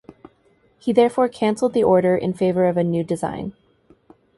He therefore cancelled the order in favour of a new design.